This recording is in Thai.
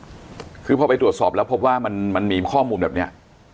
คุณบ๊วยวิงบ๊วยคือพอไปตรวจสอบแล้วพบว่ามันมีข้อมูลแบบเนี้ย